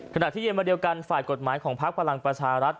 ขณะที่เย็นมาเดียวกันฝ่ายกฎหมายของพลักษณ์ประหลังประชารัฐ